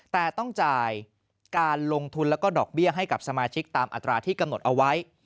แต่ต้องจ่ายการลงทุนแล้วก็ดอกเบี้ยให้กับสมาชิกตามอัตราที่กำหนดเอาไว้